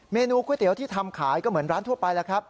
เมนูก๋วยเตี๋ยวที่ทำขายก็เหมือนร้านทั่วไปแล้วครับ